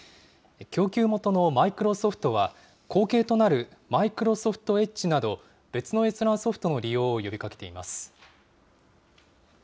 供給元のマイクロソフトは、後継となるマイクロソフトエッジなど、別の閲覧ソフトの利用を呼びかけています。